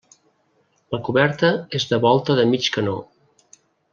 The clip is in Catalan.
La coberta és de volta de mig canó.